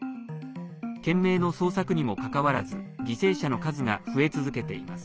懸命の捜索にもかかわらず犠牲者の数が増え続けています。